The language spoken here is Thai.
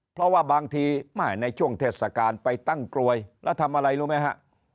เพราะว่าบางทีแม่ในช่วงเทศกาลไปตั้งกลวยแล้วทำอะไรรู้ไหมฮะ